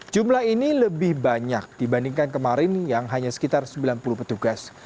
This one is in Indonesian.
jumlah ini lebih banyak dibandingkan kemarin yang hanya sekitar sembilan puluh petugas